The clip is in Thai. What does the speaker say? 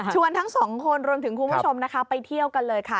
ทั้งสองคนรวมถึงคุณผู้ชมนะคะไปเที่ยวกันเลยค่ะ